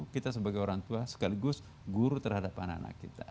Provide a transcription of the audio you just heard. kita sebagai orang tua sekaligus guru terhadapan anak kita